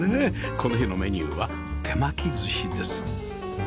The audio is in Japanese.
この日のメニューは手巻き寿司です